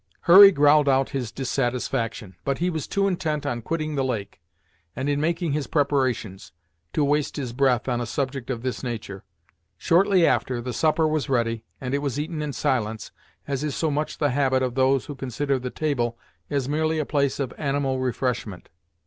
Hurry growled out his dissatisfaction, but he was too intent on quitting the lake, and in making his preparations, to waste his breath on a subject of this nature. Shortly after, the supper was ready, and it was eaten in silence as is so much the habit of those who consider the table as merely a place of animal refreshment.